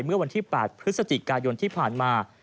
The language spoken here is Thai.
เมื่อวันที่๘พฤศจิกายนที่ผ่านมา